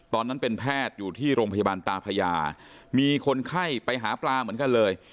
ตอนนั้นเป็นแพทย์อยู่ที่โรงพยาบาลตาพญามีคนไข้ไปหาปลาเหมือนกันเลย